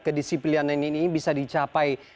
kedisiplinan ini bisa dicapai